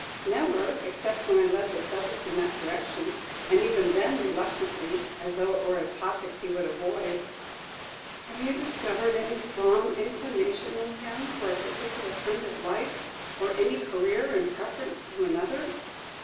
"Never, except when I led the subject in that direction; and even then reluctantly, as though it were a topic he would avoid." "Have you discovered any strong inclination in him for a particular kind of life, or any career in preference to another?"